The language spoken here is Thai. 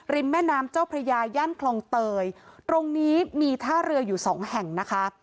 แม่น้ำเจ้าพระยาย่านคลองเตยตรงนี้มีท่าเรืออยู่สองแห่งนะคะ